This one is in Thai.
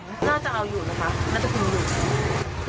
ด้านก่อนหน้าก็จะเอาอยู่นะครับงานจะกินอยู่